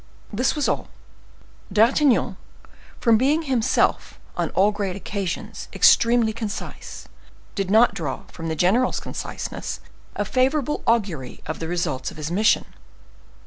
This was all. D'Artagnan, from being himself on all great occasions, extremely concise, did not draw from the general's conciseness a favorable augury of the result of his mission.